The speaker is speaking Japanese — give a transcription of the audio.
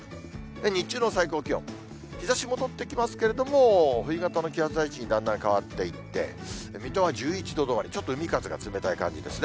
日中の最高気温、日ざし戻ってきますけれども、冬型の気圧配置にだんだん変わっていって、水戸は１１度止まり、ちょっと海風が冷たい感じですね。